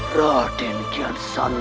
raden kia santam